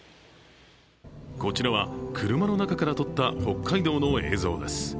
こちらは車の中から撮った北海道の映像です。